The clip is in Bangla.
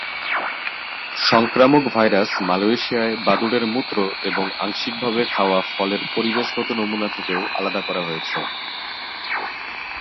সংক্রামক ভাইরাস মালয়েশিয়ায় বাদুড়ের মূত্র এবং আংশিকভাবে খাওয়া ফলের পরিবেশগত নমুনা থেকেও আলাদা করা হয়েছে।